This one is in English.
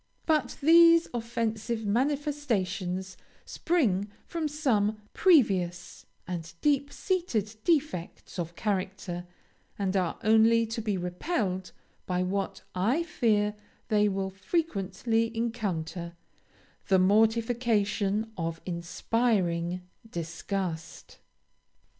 But these offensive manifestations spring from some previous and deep seated defects of character, and are only to be repelled by what, I fear, they will frequently encounter the mortification of inspiring disgust.